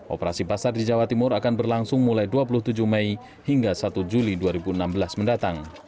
operasi pasar di jawa timur akan berlangsung mulai dua puluh tujuh mei hingga satu juli dua ribu enam belas mendatang